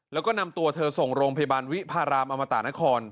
แล้วก็นำตัวเธอส่งโรงพยาบาลวิพารามอมตะนคร